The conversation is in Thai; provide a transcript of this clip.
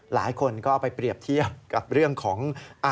หลายคนก็เอาไปเปรียบเทียบกับเรื่องของ